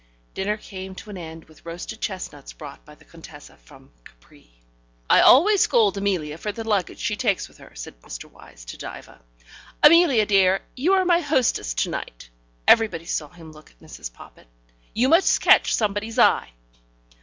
Dinner came to an end with roasted chestnuts brought by the Contessa from Capri. "I always scold Amelia for the luggage she takes with her," said Mr. Wyse to Diva. "Amelia, dear, you are my hostess to night" everybody saw him look at Mrs. Poppit "you must catch somebody's eye."